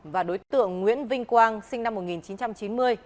và đối tượng nguyễn vinh quang sinh năm một nghìn chín trăm chín mươi